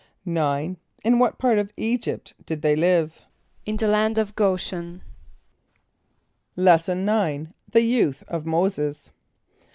= =9.= In what part of [=E]´[.g][)y]pt did they live? =In the land of G[=o]´shen.= Lesson IX. The Youth of Moses.